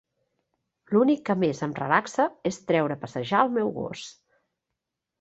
L'únic que més em relaxa és treure a passejar el meu gos.